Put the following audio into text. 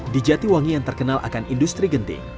di jatiwangi yang terkenal akan industri genting